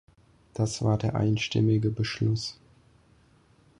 Das war der einstimmige Beschluss.